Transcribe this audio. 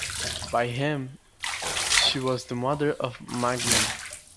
By him she was the mother of Magni.